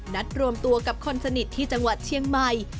นัดรวมตัวกับคนสนิทที่จังหวัดเชียงใหม่